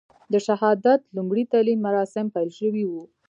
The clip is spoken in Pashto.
د شهادت لومړي تلین مراسیم پیل شوي و.